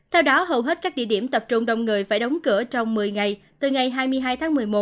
theo đó hầu hết các địa điểm tập trung đông người phải đóng cửa trong một mươi ngày từ ngày hai mươi hai tháng một mươi một